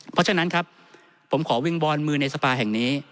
เพราะฉะนั้นครับผมขอวิงวอนมือในสภาแห่งนี้